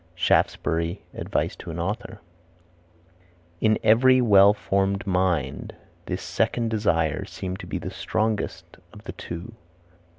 Shaftesbury's Advice to an Author. "In every well formed mind this second desire seems to be the strongest of the two."